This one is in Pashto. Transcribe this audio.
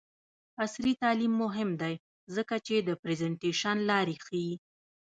عصري تعلیم مهم دی ځکه چې د پریزنټیشن لارې ښيي.